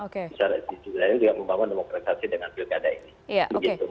secara di sisi lain juga membawa demokrasi dengan pilkada ini